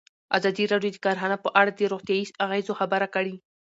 ازادي راډیو د کرهنه په اړه د روغتیایي اغېزو خبره کړې.